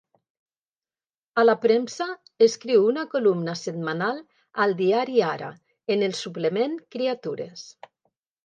A la premsa escriu una columna setmanal al diari Ara en el suplement Criatures.